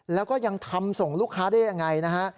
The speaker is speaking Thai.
แล้วก็ยังทำส่งลูกค้าได้ยังไงนะฮะ